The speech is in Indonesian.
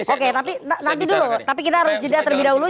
oke nanti dulu tapi kita harus juda terlebih dahulu